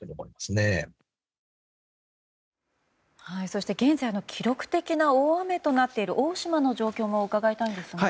そして現在記録的な大雨となっている大島の状況も伺いたいんですが。